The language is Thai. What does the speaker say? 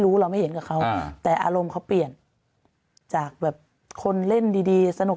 เราไม่เห็นกับเขาแต่อารมณ์เขาเปลี่ยนจากแบบคนเล่นดีดีสนุก